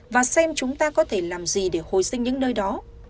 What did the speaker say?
và xem chúng ta có thể làm gì để hồi sinh những nơi đó